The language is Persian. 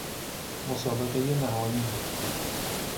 مسابقه نهائی